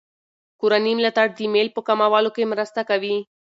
کورني ملاتړ د میل په کمولو کې مرسته کوي.